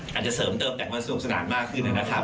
อาจจะเสริมเติบแต่ของสิ่งศึกษนานมากขึ้นเองนะครับ